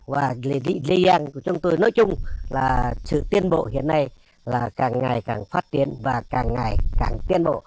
và lý do của chúng tôi nói chung là sự tiến bộ hiện nay là càng ngày càng phát triển và càng ngày càng tiến bộ